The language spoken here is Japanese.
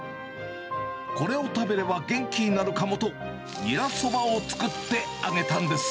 これを食べれば元気になるかもと、ニラそばを作ってあげたんです。